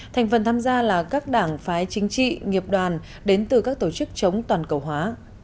thành phần tham gia là các đảng phái chính trị nghiệp đoàn đến từ các tổ chức chống toàn cầu hóa